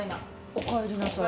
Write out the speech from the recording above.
おかえりなさい。